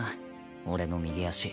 俺の右足。